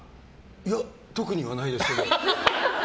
いや、特にはないですけど。